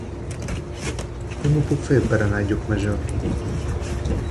Com ho puc fer per anar a Llucmajor?